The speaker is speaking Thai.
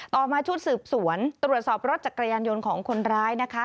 ต่อมาชุดสืบสวนตรวจสอบรถจักรยานยนต์ของคนร้ายนะคะ